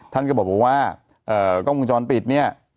แล้วบอกว่ากล้องบงก่อนปิดเนี่ย